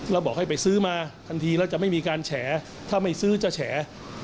แล้วบอกให้ไปซื้อมาทันทีแล้วจะไม่มีการแฉถ้าไม่ซื้อจะแฉ